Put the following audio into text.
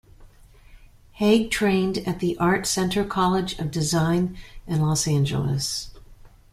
Hague trained at the Art Center College of Design in Los Angeles.